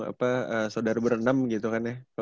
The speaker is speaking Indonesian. apa saudara ber enam gitu kan ya